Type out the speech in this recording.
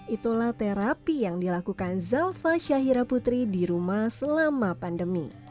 itulah terapi yang dilakukan zalfa syahira putri di rumah selama pandemi